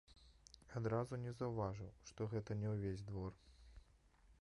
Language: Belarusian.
Адразу не заўважыў, што гэта не ўвесь двор.